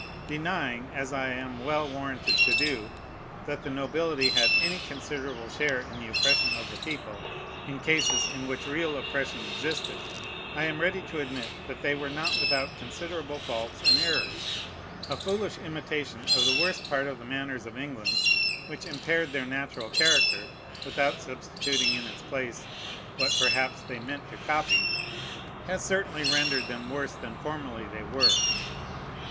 Denying, as I am well warranted to do, that the nobility had any considerable share in the oppression of the people, in cases in which real oppression existed, I am ready to admit that they were not without considerable faults and errors. A foolish imitation of the worst part of the manners of England, which impaired their natural character, without substituting in its place what perhaps they meant to copy, has certainly rendered them worse than formerly they were.